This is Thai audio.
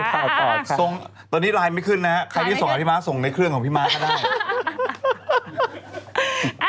ตอนนี้ไลน์ไม่ขึ้นนะฮะใครที่ส่งกับพี่ม้าส่งในเครื่องของพี่ม้าก็ได้